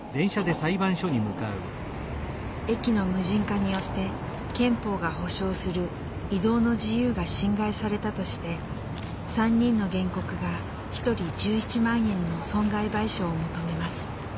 駅の無人化によって憲法が保障する「移動の自由が侵害された」として３人の原告が１人１１万円の損害賠償を求めます。